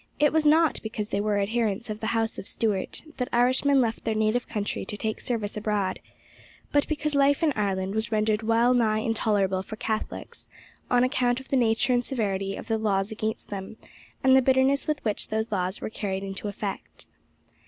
It was not because they were adherents of the house of Stuart that Irishmen left their native country to take service abroad, but because life in Ireland was rendered well nigh intolerable for Catholics, on account of the nature and severity of the laws against them, and the bitterness with which those laws were carried into effect.